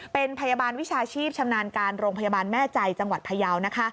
เป็นพยาบาลวิชาชีพชำนาญการโรงพยาบาลแม่ใจจังหวัดพยาวนะคะ